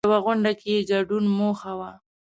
په یوې غونډې کې ګډون موخه وه.